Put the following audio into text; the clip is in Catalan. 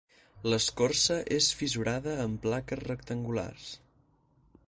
L'escorça és fissurada en plaques rectangulars.